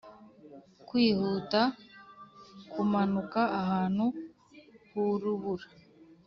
kwihuta kumanuka ahantu h'urubura